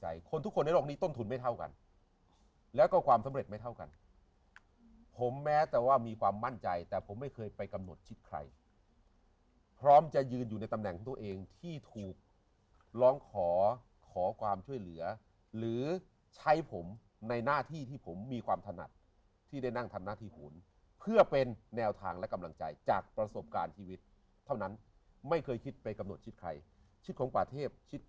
คนทุกคนในโลกนี้ต้นทุนไม่เท่ากันแล้วก็ความสำเร็จไม่เท่ากันผมแม้แต่ว่ามีความมั่นใจแต่ผมไม่เคยไปกำหนดชิดใครพร้อมจะยืนอยู่ในตำแหน่งของตัวเองที่ถูกร้องขอขอความช่วยเหลือหรือใช้ผมในหน้าที่ที่ผมมีความถนัดที่ได้นั่งทำหน้าที่ขูนเพื่อเป็นแนวทางและกำลังใจจากประสบการณ์ชีวิตเท่านั้นไม่เคยคิดไปกำหนดชิดใครชิดของป่าเทพชิด